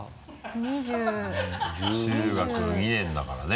２０。中学２年だからね。